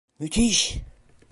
Müthiş!